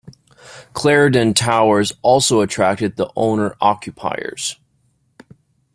Clarendon Towers also attracted the owner occupiers.